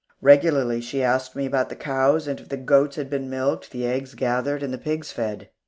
Regularly she asked me about the cows, and if the goats had been milked, the eggs gathered, and the pigs fed.